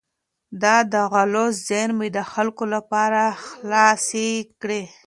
ده د غلو زېرمې د خلکو لپاره خلاصې کړې.